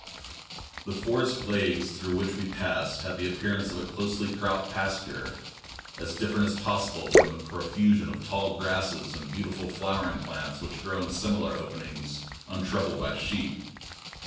The forest glades through which we passed had the appearance of a closely cropped pasture, as different as possible from the profusion of tall grasses and beautiful flowering plants which grow in similar openings untroubled by sheep.